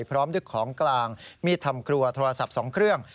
พร้อมด้วยของกลางมีดทำครัวโทรศัพท์๒เครื่อง